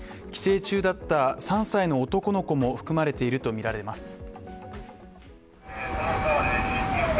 帰省中だった３歳の男の子も含まれているとみられます。